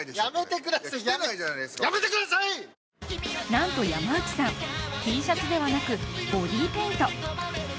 なんと山内さん、Ｔシャツではなくボディーペイント。